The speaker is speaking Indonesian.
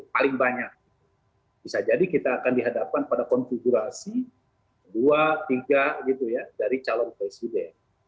paling banyak bisa jadi kita akan dihadapkan pada konfigurasi dua tiga gitu ya dari calon presiden